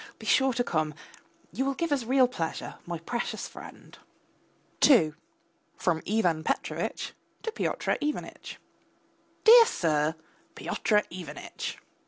Be sure to come, you will give us real pleasure, my precious friend. II (FROM IVAN PETROVITCH TO PYOTR IVANITCH) DEAR SIR, PYOTR IVANITCH!